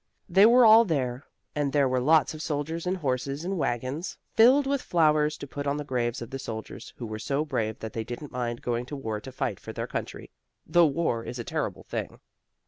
They were all there, and there were lots of soldiers and horses and wagons filled with flowers to put on the graves of the soldiers, who were so brave that they didn't mind going to war to fight for their country, though war is a terrible thing.